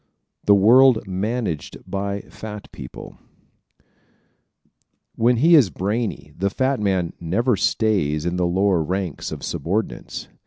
The World Managed by Fat People ¶ When he is brainy the fat man never stays in the lower ranks of subordinates.